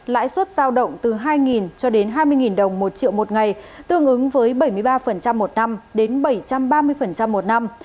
lãi suất giao động từ hai cho đến hai mươi đồng một triệu một ngày tương ứng với bảy mươi ba một năm đến bảy trăm ba mươi một năm